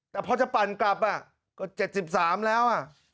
แต่พอจะปั่นกลับก็๗๓แล้ว